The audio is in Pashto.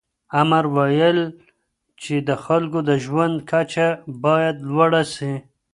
امر وویل چې د خلکو د ژوند کچه باید لوړه سي.